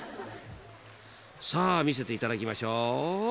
［さあ見せていただきましょう］